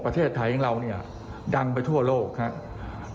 ประเทศไทยของเราเนี่ยดังไปทั่วโลกครับ